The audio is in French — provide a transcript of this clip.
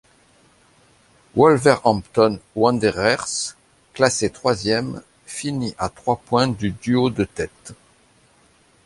Wolverhampton Wanderers, classé troisième, finit à trois points du duo de tête.